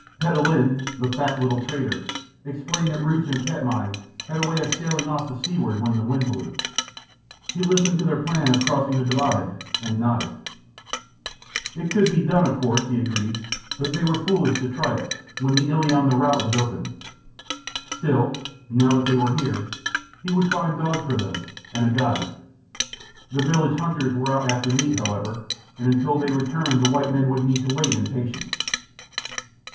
Petellin, the fat little trader, explained that roofs in Katmai had a way of sailing off to seaward when the wind blew. He listened to their plan of crossing the divide and nodded. It could be done, of course, he agreed, but they were foolish to try it, when the Illiamna route was open. Still, now that they were here, he would find dogs for them, and a guide. The village hunters were out after meat, however, and until they returned the white men would need to wait in patience.